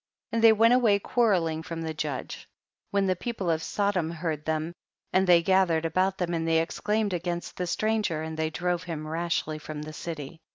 41. And they went away quarrel ing from the judge, when the people of Sodom heard them, and they ga thered about them and they exclaim ed against the stranger, and they drove him rashly from the city.